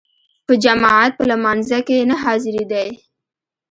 په جماعت په لمانځه کې نه حاضرېدی.